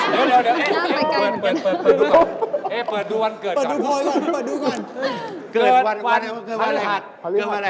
มึงกลัวไง